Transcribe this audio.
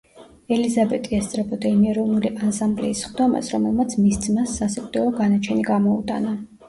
ელიზაბეტი ესწრებოდა იმ ეროვნული ანსამბლეის სხდომას, რომელმაც მის ძმას სასიკვდილო განაჩენი გამოუტანა.